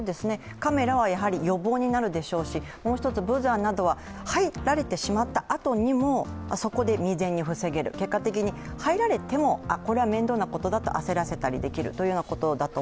カメラは予防になりますしもう一つ、ブザーなどは入られたしまったあとにもそこで未然に防げる、結果的に入られても、これは面倒なことだと焦られる。